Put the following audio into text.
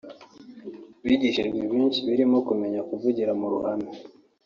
bigishijwe byinshi birimo kumenya kuvugira mu ruhame